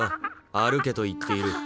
歩けと言っている。